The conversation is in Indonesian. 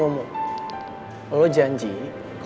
dan sekarang allah udah kabulin doa kita